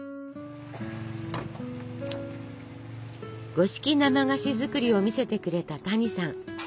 五色生菓子作りを見せてくれた谷さん。